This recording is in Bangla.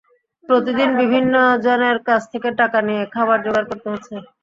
প্রতিদিন বিভিন্ন জনের কাছ থেকে টাকা নিয়ে খাবার জোগাড় করতে হচ্ছে।